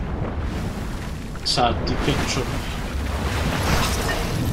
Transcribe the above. Sɛeddi ketchup.